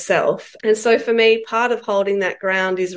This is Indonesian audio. bagian dari menempatkan peraturan itu adalah